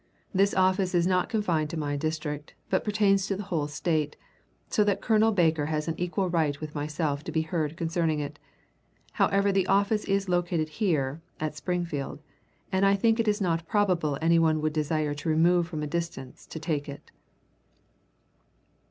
This office is not confined to my district, but pertains to the whole State; so that Colonel Baker has an equal right with myself to be heard concerning it. However, the office is located here (at Springfield); and I think it is not probable any one would desire to remove from a distance to take it."